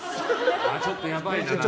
ちょっとやばいな。